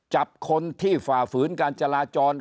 จับคนที่ฝ่าฝืนการจราจร